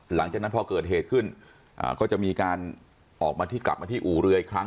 หลังจากนั้นพอเกิดเหตุขึ้นก็จะมีการออกมาที่กลับมาที่อู่เรืออีกครั้ง